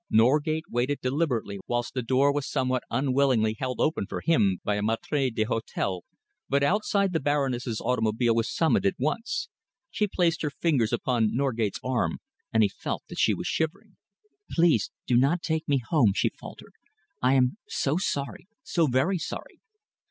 Norgate waited deliberately whilst the door was somewhat unwillingly held open for him by a maître d'hôtel, but outside the Baroness's automobile was summoned at once. She placed her fingers upon Norgate's arm, and he felt that she was shivering. "Please do not take me home," she faltered. "I am so sorry so very sorry."